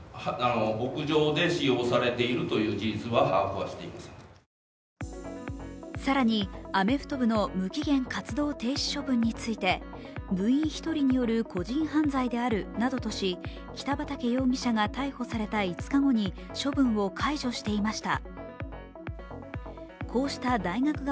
しかし、大学側は８日の会見で更に、アメフト部の無期限活動停止処分について部員１人による個人犯罪であるなどとし、北畠容疑者が逮捕された５日後に処分を解除していました。